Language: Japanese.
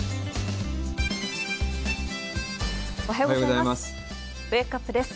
おはようございます。